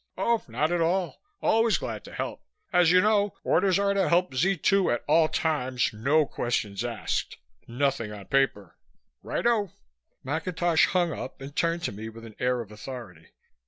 Oh, not at all. Always glad to help As you know, orders are to help Z 2 at all times no questions asked, nothing on paper Righto!" McIntosh hung up and turned to me with an air of authority.